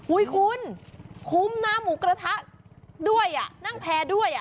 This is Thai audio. คุณคุ้มนะหมูกระทะด้วยนั่งแพร่ด้วย